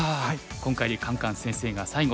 今回でカンカン先生が最後。